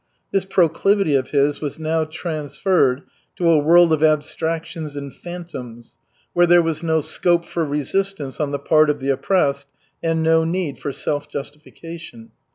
This proclivity of his was now transferred to a world of abstractions and phantoms, where there was no scope for resistance on the part of the oppressed and no need for self justification.